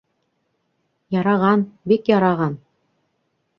— Яраған, бик яраған.